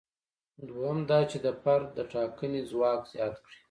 دویم دا چې د فرد د ټاکنې ځواک زیات کړي.